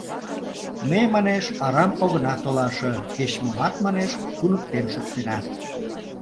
Ме, манеш, арам огына толаше; кеч-момат, манеш, туныктен шуктена.